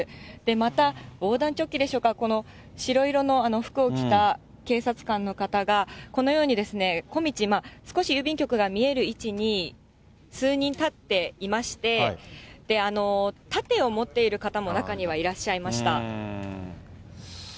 また、防弾チョッキでしょうか、この白色の服を着た、警察官の方が、このように小道、少し郵便局が見える位置に数人立っていまして、盾を持っている方も中にはいらっしゃいました。